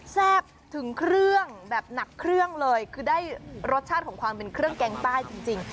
แซ่บถึงเครื่องแบบหนักเครื่องเลยคือได้รสชาติของความเป็นเครื่องแกงใต้จริง